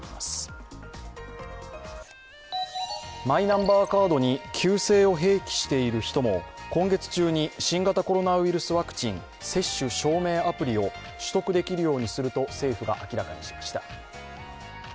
マイナンバーカードに旧姓を併記している人も今月中に新型コロナウイルスワクチン接種証明アプリを取得できるようにすると政府が明らかにしました。